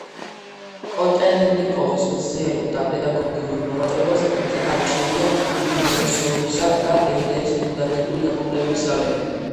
კოტელნიკოვის მეცნიერულ და პედაგოგიურ მოღვაწეობას მკვეთრად ამჩნევია ლომონოსოვისა და ეილერის ფუნდამენტური გამოკვლევების გავლენა.